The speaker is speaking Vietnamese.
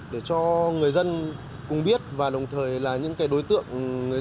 để cho người dân cùng biết và đồng thời là những đối tượng